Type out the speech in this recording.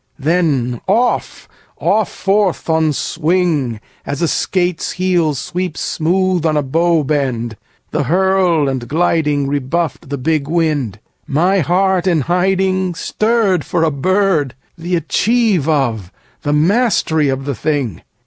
then off, off forth on swing, As a skate's heel sweeps smooth on a bow bend: the hurl and gliding Rebuffed the big wind. My heart in hiding Stirred for a bird, the achieve of, the mastery of the thing!